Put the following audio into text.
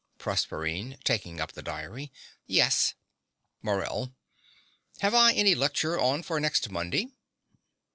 PROSERPINE (taking up the diary). Yes. MORELL. Have I any lecture on for next Monday?